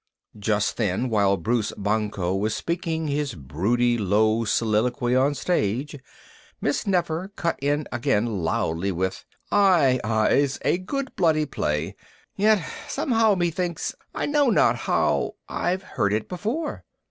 Just then, while Bruce Banquo was speaking his broody low soliloquy on stage, Miss Nefer cut in again loudly with, "Aye, Eyes, a good bloody play. Yet somehow, methinks I know not how I've heard it before."